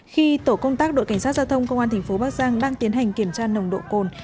khi tổ công tác đội cảnh sát giao thông công an thành phố bắc giang đang tiến hành kiểm tra nồng độ cồn